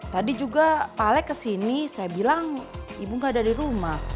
tadi juga pak alec kesini saya bilang ibu gak ada di rumah